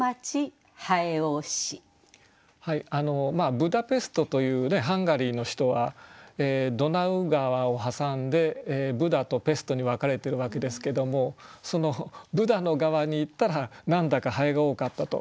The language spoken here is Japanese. ブダペストというハンガリーの首都はドナウ川を挟んでブダとペストに分かれているわけですけどもそのブダの側に行ったら何だか蠅が多かったと。